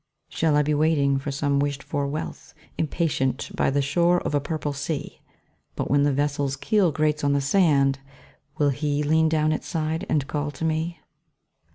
Shall I be waiting for some wished for wealth, Impatient, by the shore of a purple sea? But when the vessel's keel grates on the sand, Will HE lean down its side and call to me?